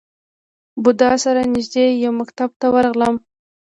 بودا سره نژدې یو مکتب ته ورغلم.